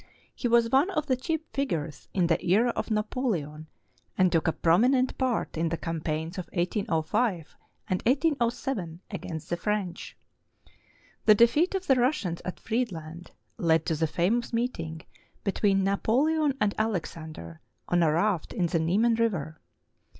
He was one of the chief figures in the era of Napoleon and took a prominent part in the campaigns of 1805 and 1807 against the French. The defeat of the Russians at Friedland led to the famous meet ing between Napoleon and Alexander on a raft in the Niemen River.